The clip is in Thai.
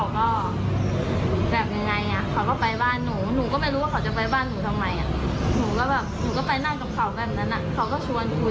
แล้วเขาก็